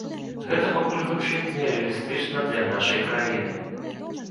Гэта пакуль гучыць не рэалістычна для нашай краіны.